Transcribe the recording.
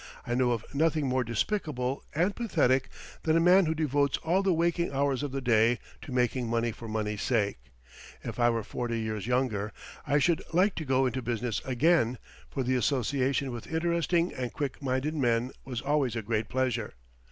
I know of nothing more despicable and pathetic than a man who devotes all the waking hours of the day to making money for money's sake. If I were forty years younger, I should like to go into business again, for the association with interesting and quick minded men was always a great pleasure.